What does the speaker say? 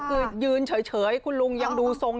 คือยืนเฉยคุณลุงยังดูทรง